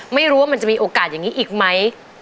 ไม่รู้ว่ามันจะมีโอกาสอย่างนี้อีกไหม